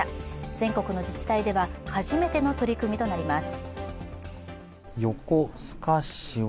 全国の自治体では初めての取り組みとなります。